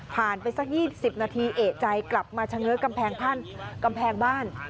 ผ่านไปสัก๒๐นาทีเอกใจกลับมาเฉง้อกำแพงบ้าน